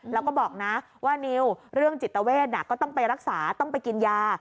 แล้วก็บอกนะว่านิวเรื่องจิตเวทก็ต้องไปรักษาต้องไปกินยา